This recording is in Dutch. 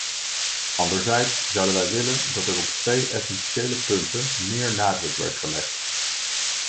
Anderzijds zouden wij willen dat er op twee essentiële punten meer nadruk werd gelegd.